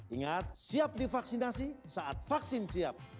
ingat siap divaksinasi saat vaksin siap